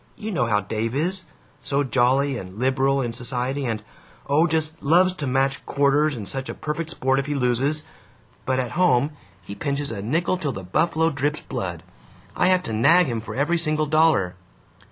You know how Dave is: so jolly and liberal in society, and oh, just LOVES to match quarters, and such a perfect sport if he loses! But at home he pinches a nickel till the buffalo drips blood. I have to nag him for every single dollar."